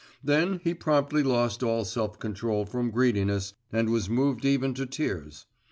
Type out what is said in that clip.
Then he promptly lost all self control from greediness, and was moved even to tears.